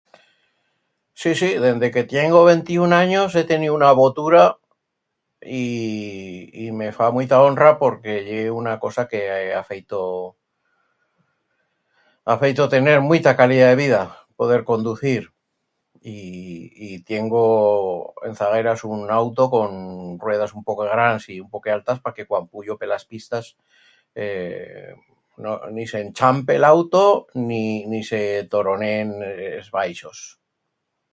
Sí, sí, dende que tiengo ventiun anyos he teniu una votura y y me fa muita horna porque ye una cosa que ha feito, ha feito tener muita calidat de vida, poder conducir y y tiengo en zagueras un auto con ruedas un poquet grans y un poquet altas para que cuan puyo per las pistas no... ni s'enchampe l'auto ni se toroneen es baixos.